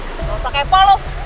gak usah kepo lo